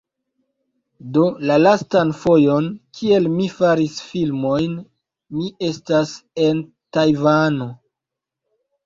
Do la lastan fojon, kiel mi faris filmojn, mi estas en Tajvano.